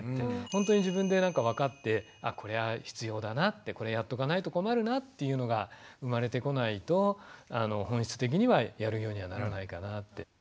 本当に自分でわかってこれは必要だなってこれやっとかないと困るなっていうのが生まれてこないと本質的にはやるようにはならないかなって。